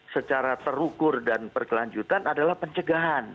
secara terukur dan berkelanjutan adalah pencegahan